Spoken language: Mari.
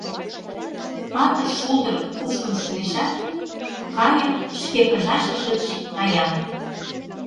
Патыр шулдыр кушкын шуэшат, Кайык шке пыжашыж гыч кая.